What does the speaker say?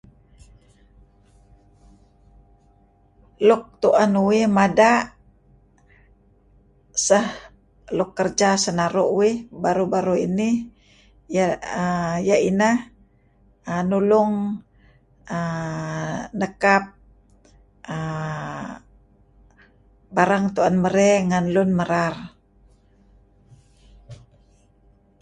Luk tu'en uih mada' sah kerja kerja luk senaru' uih baru-baru inih iyeh neh nulung err nekap barang tu'en merey ngen lun merar.